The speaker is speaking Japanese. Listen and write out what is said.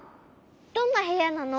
どんなへやなの？